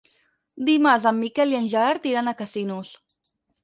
Dimarts en Miquel i en Gerard iran a Casinos.